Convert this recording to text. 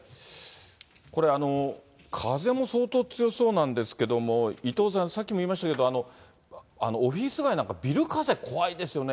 これ、風も相当強そうなんですけれども、伊藤さん、さっきも言いましたけど、オフィス街なんか、ビル風怖いでしょうね。